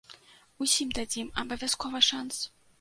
Усім дадзім абавязкова шанс.